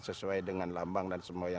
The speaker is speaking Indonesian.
sesuai dengan lambang dan semuanya